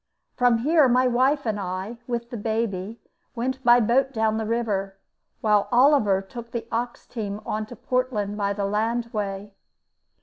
From here my wife and I, with the baby, went by boat down the river, while Oliver took the ox team on to Portland by the land way.